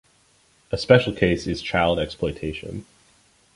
A special case is child exploitation.